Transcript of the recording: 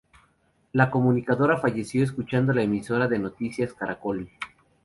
La comunicadora, falleció escuchando la emisora de Noticias Caracol.